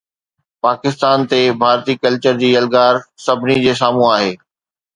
پاڪستان تي ڀارتي ڪلچر جي یلغار سڀني جي سامهون آهي